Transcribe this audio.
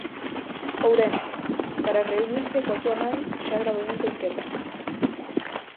Ourense "para reunirse coa súa nai, xa gravemente enferma".